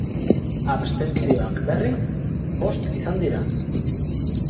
Abstentzioak, berriz, bost izan dira.